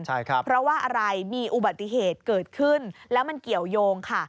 เพราะว่าอะไรมีอุบัติเหตุเกิดขึ้นแล้วมันเกี่ยวยงค่ะ